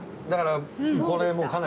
だからこれもう。